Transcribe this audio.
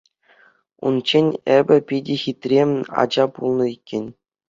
Унччен эпӗ питӗ хитре ача пулнӑ иккен.